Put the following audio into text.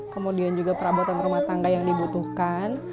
kemudian juga perabotan rumah tangga yang dibutuhkan